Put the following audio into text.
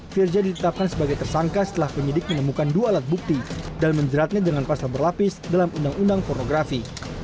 firja ditetapkan sebagai tersangka setelah penyidik menemukan dua alat bukti dan menjeratnya dengan pasal berlapis dalam undang undang pornografi